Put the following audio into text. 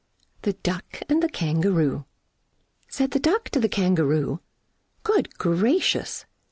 The Duck and The Kangaroo. Said the Duck to the Kangaroo, "Good gracious!